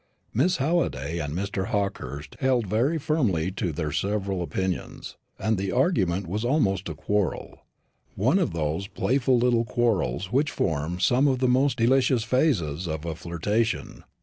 Miss Halliday and Mr. Hawkehurst held very firmly to their several opinions, and the argument was almost a quarrel one of those little playful quarrels which form some of the most delicious phases of a flirtation.